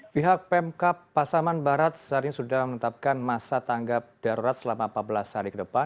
pihak pemkap pasaman barat saat ini sudah menetapkan masa tanggap darurat selama empat belas hari ke depan